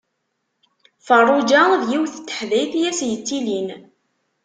Ferruǧa d yiwet n teḥdayt i as-yettilin.